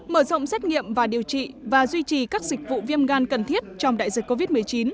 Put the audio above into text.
mở rộng xét nghiệm và điều trị và duy trì các dịch vụ viêm gan cần thiết trong đại dịch covid một mươi chín